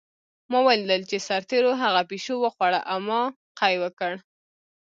ما ولیدل چې سرتېرو هغه پیشو وخوړه او ما قی وکړ